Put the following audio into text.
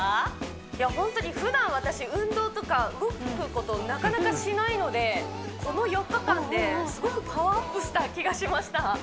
いやホントに普段私運動とか動くことをなかなかしないのでこの４日間ですごくパワーアップした気がしました